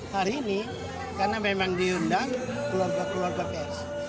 hari ini karena memang diundang keluarga keluarga pers